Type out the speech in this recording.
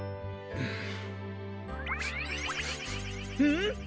うん！？